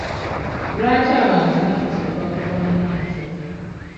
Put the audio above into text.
Lwaki abantu ennaku zino bakubwa nnyo amasasi?